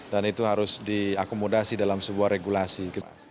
dan itu harus diakomodasi dalam sebuah regulasi